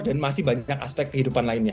dan masih banyak aspek kehidupan lainnya